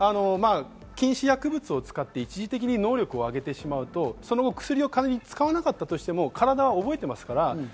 禁止薬物を使って一時的に能力は出てしまうと、その後、薬を仮に使わなかったとしても体は覚えていますから。